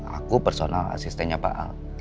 aku personal asistennya pak al